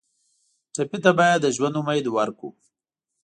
ټپي ته باید د ژوند امید ورکړو.